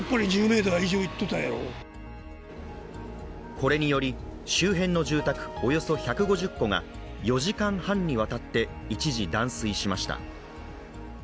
これにより周辺の住宅およそ１５０戸が４時間半にわたって一時断水しました。